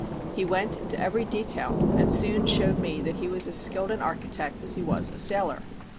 He went into every detail, and soon showed me that he was as skilled an architect as he was a sailor.